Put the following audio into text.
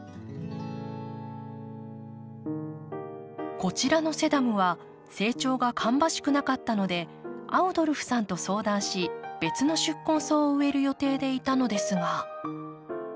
こちらのセダムは成長が芳しくなかったのでアウドルフさんと相談し別の宿根草を植える予定でいたのですが。